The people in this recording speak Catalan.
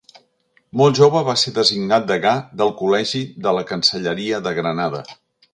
Molt jove va ser designat Degà del Col·legi de la Cancelleria de Granada.